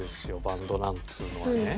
バンドなんつうのはね。